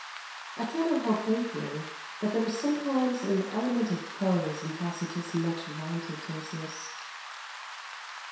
I cannot help thinking that there was sometimes an element of pose in Tacitus' much vaunted terseness.